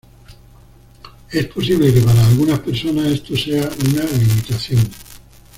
Es posible que para algunas personas esto sea una limitación.